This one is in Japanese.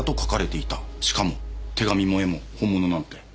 しかも手紙も絵も本物なんて。